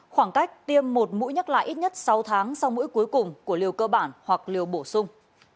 khoảng cách tiêm một mũi nhắc lại ít nhất sáu tháng sau mũi cuối cùng của liều cơ bản hoặc liều bổ sung